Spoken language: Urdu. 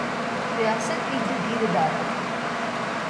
ریاست ایک جدید ادارہ ہے۔